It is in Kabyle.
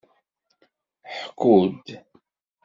Ḥku-d!